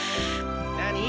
何？